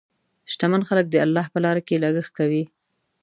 شتمن خلک د الله په لاره کې لګښت کوي.